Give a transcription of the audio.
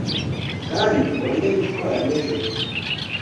kandi wange gutwara nijoro